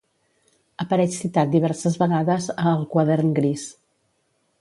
Apareix citat diverses vegades a El quadern gris.